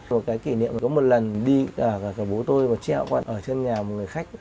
một cái kỷ niệm có một lần đi cả bố tôi mà treo con ở trên nhà một người khách